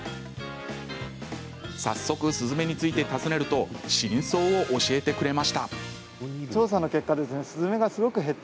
早速、スズメについて尋ねると真相を教えてくれました。